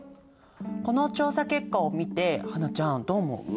この調査結果を見て英ちゃんどう思う？